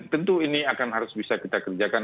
tentu ini akan harus bisa kita kerjakan